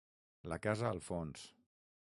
La casa al fons.